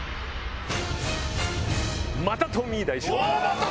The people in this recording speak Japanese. また「トミー大将軍」！